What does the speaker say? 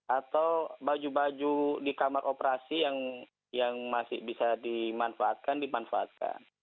atau baju baju di kamar operasi yang masih bisa dimanfaatkan dimanfaatkan